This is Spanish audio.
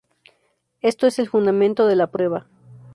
Esto es el fundamento de la prueba.